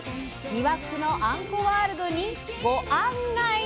魅惑のあんこワールドに「ご『あん』ない」